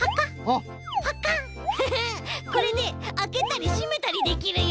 フフッこれであけたりしめたりできるよ！